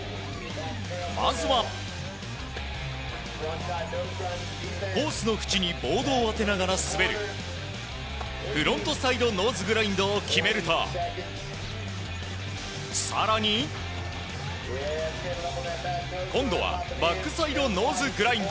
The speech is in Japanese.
まずは。コースのふちにボードを当てながら滑るフロントサイドノーズグラインドを決めると更に今度はバックサイドノーズグラインド。